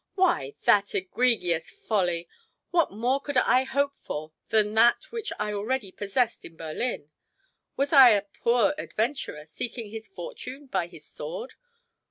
"Why, what egregious folly! What more could I hope for than that which I already possessed in Berlin? Was I a poor adventurer seeking his fortune by his sword?